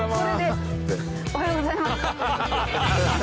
「おはようございます」って。